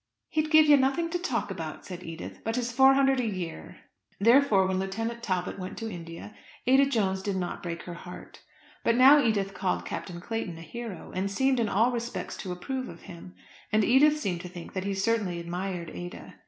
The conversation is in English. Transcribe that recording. "He'd give you nothing to talk about," said Edith, "but his £400 a year." Therefore when Lieutenant Talbot went to India, Ada Jones did not break her heart. But now Edith called Captain Clayton a hero, and seemed in all respects to approve of him; and Edith seemed to think that he certainly admired Ada.